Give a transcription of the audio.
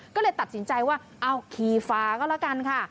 ก็เลยตัดสินใจว่าเอาขี่ฟ้าก็แล้วกันค่ะ